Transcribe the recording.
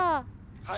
はい。